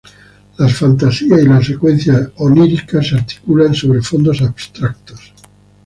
Las fantasías y las secuencias oníricas se articulan sobre fondos abstractos.